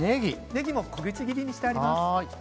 ねぎも小口切りにしてあります。